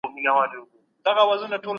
صدقات د ټولني ستونزي حل کوي.